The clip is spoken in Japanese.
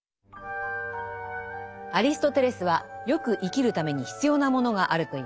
アリストテレスは善く生きるために必要なものがあると言います。